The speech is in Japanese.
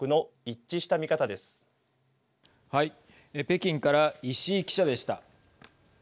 北京から石井記者でした。